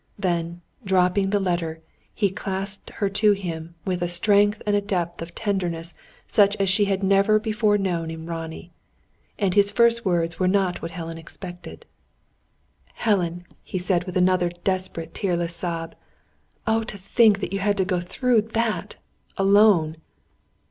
Then, dropping the letter, he clasped her to him, with a strength and a depth of tenderness such as she had never before known in Ronnie. And his first words were not what Helen had expected. "Helen," he said, with another desperate tearless sob, "oh, to think that you had to go through that alone!"